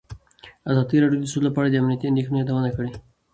ازادي راډیو د سوله په اړه د امنیتي اندېښنو یادونه کړې.